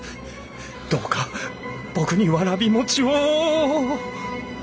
どうか僕にわらび餅を！